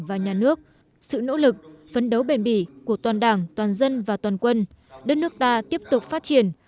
và nhà nước sự nỗ lực phấn đấu bền bỉ của toàn đảng toàn dân và toàn quân đất nước ta tiếp tục phát triển